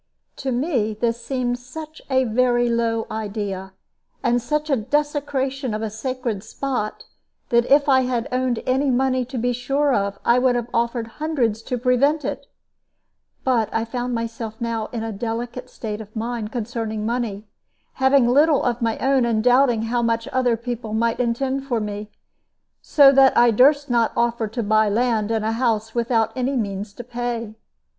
To me this seemed such a very low idea, and such a desecration of a sacred spot, that if I had owned any money to be sure of, I would have offered hundreds to prevent it. But I found myself now in a delicate state of mind concerning money, having little of my own, and doubting how much other people might intend for me. So that I durst not offer to buy land and a house without any means to pay.